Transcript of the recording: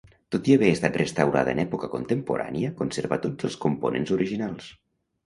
Tot i haver estat restaurada en època contemporània conserva tots els components originals.